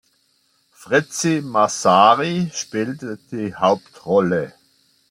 Fritzi Massary spielte die Hauptrolle.